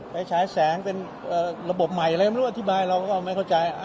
ฉายแสงเป็นระบบใหม่อะไรไม่รู้อธิบายเราก็ไม่เข้าใจ